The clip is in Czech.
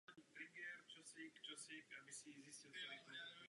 Rozhodovat ale museli spravedlivě a na odborné úrovni.